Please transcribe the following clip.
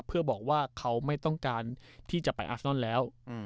เพื่อบอกว่าเขาไม่ต้องการที่จะไปอาสนอนแล้ว